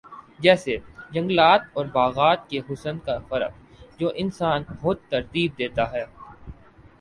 جیسے جنگلات اور باغات کے حسن کا فرق جو انسان خود ترتیب دیتا ہے